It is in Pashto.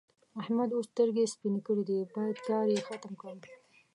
احمد اوس سترګې سپينې کړې دي؛ بايد کار يې ختم کړم.